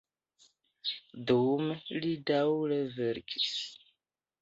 Dume li daŭre verkis.